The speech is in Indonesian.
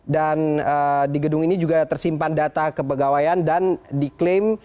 dan di gedung ini juga tersimpan data kepegawaian dan diklaim